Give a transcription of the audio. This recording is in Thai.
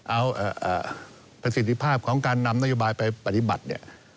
เอาประสิทธิภาพของการนำนโยบายไปปฏิบัติเนี่ย